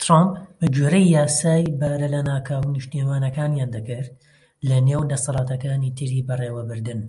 ترەمپ بە گوێرەی یاسای بارە لەناکاوە نیشتیمانیەکان دەکرد، لە نێو دەسەڵاتەکانی تری بەڕێوەبردن.